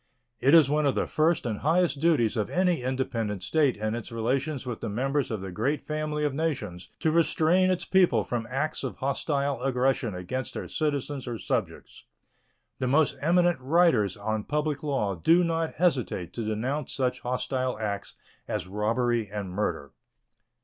It is one of the first and highest duties of any independent state in its relations with the members of the great family of nations to restrain its people from acts of hostile aggression against their citizens or subjects. The most eminent writers on public law do not hesitate to denounce such hostile acts as robbery and murder.